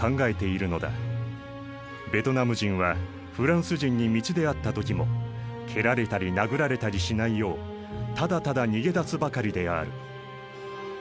ベトナム人はフランス人に道で会った時も蹴られたり殴られたりしないようただただ逃げ出すばかりである」。